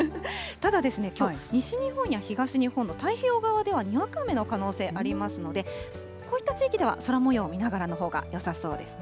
ただ、きょう、西日本や東日本の太平洋側では、にわか雨の可能性ありますので、こういった地域では空もようを見ながらのほうがよさそうですね。